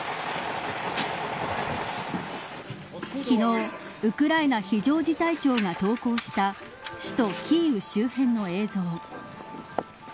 昨日ウクライナ非常事態庁が投稿した首都キーウ周辺の映像。